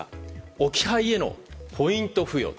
置き配へのポイント付与。